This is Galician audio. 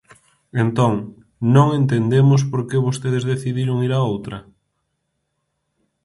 Entón, ¿non entendemos por que vostedes decidiron ir á outra?